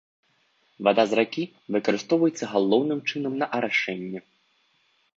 Вада з ракі выкарыстоўваецца галоўным чынам на арашэнне.